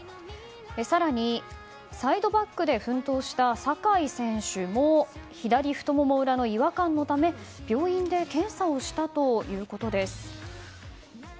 更に、サイドバックで奮闘した酒井選手も左太もも裏の違和感のため病院で検査をしたということです。